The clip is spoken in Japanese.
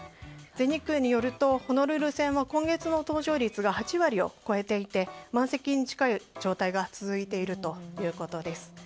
全日空によるとホノルル線は今月の搭乗率が８割を超えていて満席に近い状態が続いているということです。